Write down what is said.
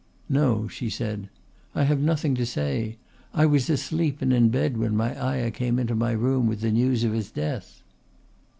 "No," she said. "I have nothing to say. I was asleep and in bed when my ayah came into my room with the news of his death."